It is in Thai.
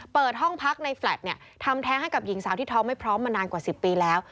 เปิดห้องพักในแฟลตเนี่ยทำแท้งให้กับหญิงสาวที่ท้องไม่พร้อมมานานกว่า๑๐ปีแล้ว